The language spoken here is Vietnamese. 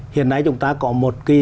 hiện nay chúng ta có một cái